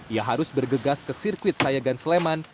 ia harus bergegas ke sirkuit sayagan sleman